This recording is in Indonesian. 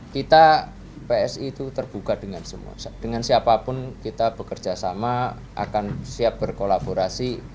kita psi itu terbuka dengan semua dengan siapapun kita bekerja sama akan siap berkolaborasi